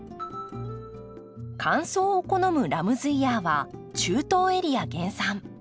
乾燥を好むラムズイヤーは中東エリア原産。